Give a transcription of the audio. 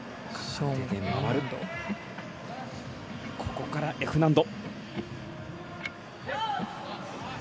ここからＦ難度。